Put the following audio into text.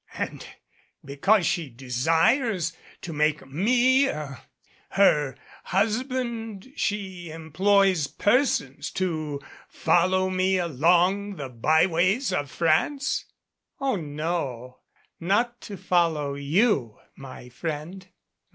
"And because she desires to make me er her husband she employs persons to follow me along the byways of France?" "Oh, no. Not to follow you, my friend.